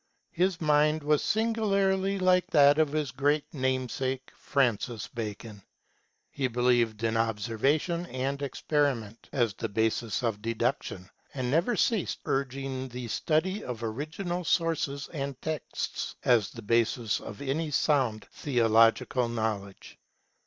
His mind was singularly like that of his great namesake, Francis Bacon ; he believed in obser vation and experiment as the basis of deduction, and never ceased urging the study of original sources and texts, as the basis of any sound theological knowl edge.